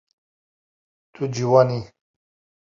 Tu ciwan î.